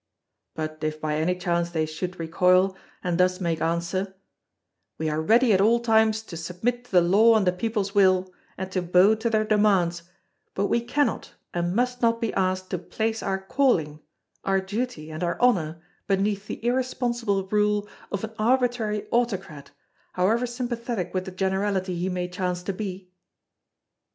But if by any chance they should recoil, and thus make answer: "We are ready at all times to submit to the Law and the People's will, and to bow to their demands, but we cannot and must not be asked to place our calling, our duty, and our honour beneath the irresponsible rule of an arbitrary autocrat, however sympathetic with the generality he may chance to be!"